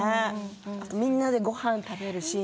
あとみんなでごはんを食べるシーン。